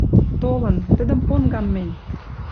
Толын. Тӹдӹм понгам мӹнь!..»